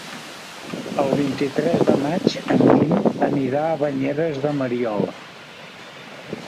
El vint-i-tres de maig en Guim irà a Banyeres de Mariola.